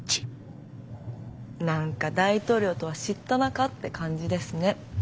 何か大統領とは知った仲って感じですね。